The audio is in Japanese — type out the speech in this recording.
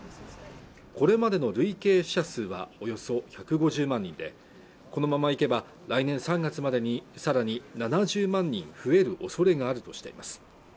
これまでの累計死者数はおよそ１５０万人でこのままいけば来年３月までにさらに７０万人増えるおそれがあるとしています